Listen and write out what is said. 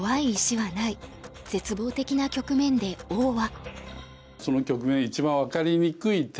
絶望的な局面で王は。